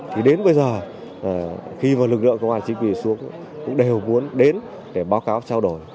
thì đến bây giờ khi mà lực lượng công an chính quy xuống cũng đều muốn đến để báo cáo trao đổi